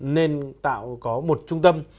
nên tạo có một trung tâm